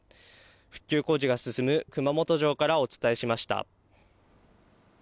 復旧工事が進む熊本城からお伝えしました。